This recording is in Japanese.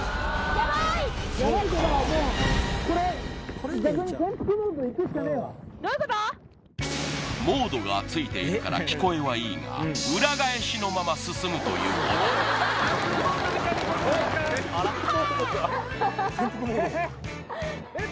ヤバいってかもうこれ「モード」がついているから聞こえはいいが裏返しのまま進むということハーッ！